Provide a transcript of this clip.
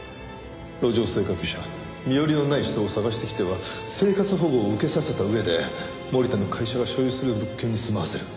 路上生活者身寄りのない人を探してきては生活保護を受けさせた上で森田の会社が所有する物件に住まわせる。